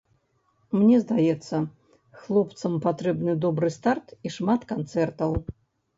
Мне здаецца, хлопцам патрэбны добры старт і шмат канцэртаў.